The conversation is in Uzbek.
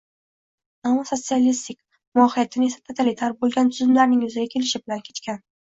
nomi sotsialistik, mohiyatan esa totalitar bo‘lgan tuzumlarning yuzaga kelishi bilan kechgan